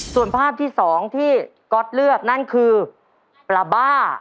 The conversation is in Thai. ส่วนภาพที่๒ที่ก๊อตเลือกนั่นคือปลาบ้า